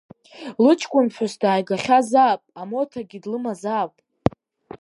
Лыҷкәын ԥҳәыс дааигахьазаап, амоҭагьы длымазаап.